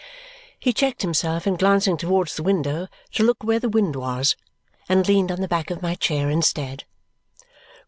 He checked himself in glancing towards the window to look where the wind was and leaned on the back of my chair instead.